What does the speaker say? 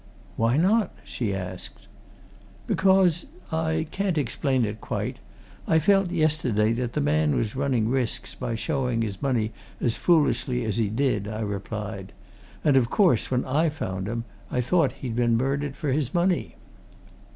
"Why not?" she asked. "Because I can't explain it, quite I felt, yesterday, that the man was running risks by showing his money as foolishly as he did," I replied. "And, of course, when I found him, I thought he'd been murdered for his money."